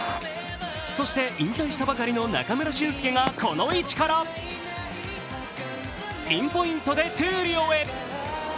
そして引退したばかりの中村俊輔がこの位置からピンポイントで闘莉王へ。